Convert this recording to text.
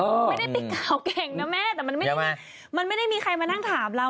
ไม่ได้ปิดข่าวเก่งนะแม่แต่มันไม่ได้มีใครมานั่งถามเรา